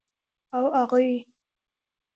او اغوئ.